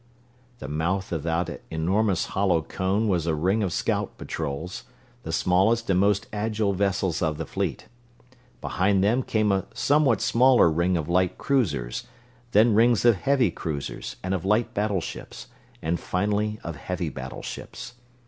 The mouth of that enormous hollow cone was a ring of scout patrols, the smallest and most agile vessels of the fleet. Behind them came a somewhat smaller ring of light cruisers, then rings of heavy cruisers and of light battleships, and finally of heavy battleships.